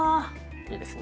いいですね。